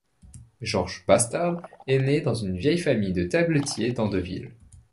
Georges Bastard est né dans une vieille famille de tabletiers d’Andeville.